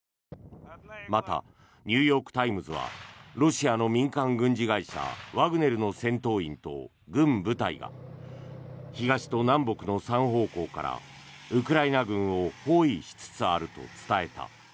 また、ニューヨーク・タイムズはロシアの民間軍事会社ワグネルの戦闘員と軍部隊が東と南北の３方向からウクライナ軍を包囲しつつあると伝えた。